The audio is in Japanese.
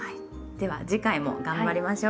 では次回も頑張りましょう。